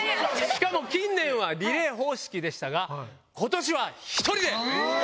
しかも近年はリレー方式でしたが、ことしは１人で！